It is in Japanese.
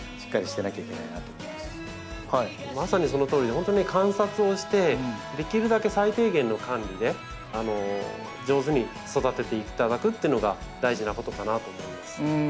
まさにそのとおりで本当ね観察をしてできるだけ最低限の管理で上手に育てていただくというのが大事なことかなと思います。